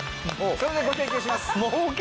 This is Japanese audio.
それでご提供します。